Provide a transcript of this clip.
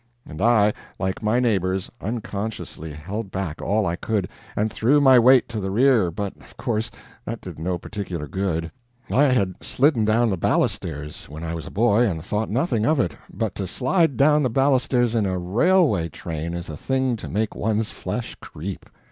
And I, like my neighbors, unconsciously held back all I could, and threw my weight to the rear, but, of course, that did no particular good. I had slidden down the balusters when I was a boy, and thought nothing of it, but to slide down the balusters in a railway train is a thing to make one's flesh creep.